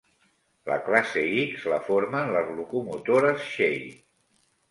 La classe X la formen les locomotores Shay.